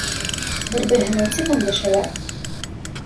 Бер-береһенә нисек өндәшәләр?